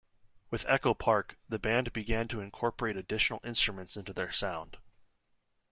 With "Echo Park", the band began to incorporate additional instruments into their sound.